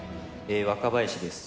若林です。